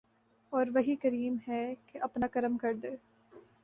او ر وہی کریم ہے کہ اپنا کرم کردے ۔